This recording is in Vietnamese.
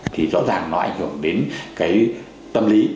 thì rõ ràng nó ảnh hưởng đến cái tâm lý